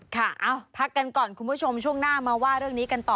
เอ้าพักกันก่อนคุณผู้ชมช่วงหน้ามาว่าเรื่องนี้กันต่อ